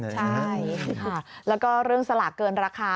ใช่ค่ะแล้วก็เรื่องสลากเกินราคา